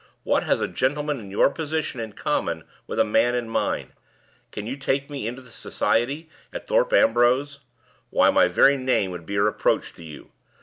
What has a gentleman in your position in common with a man in mine? Can you take me into the society at Thorpe Ambrose? Why, my very name would be a reproach to you.